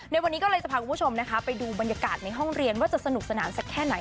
ในวันนี้ก็เลยจะพาคุณผู้ชมนะคะไปดูบรรยากาศในห้องเรียนว่าจะสนุกสนานสักแค่ไหน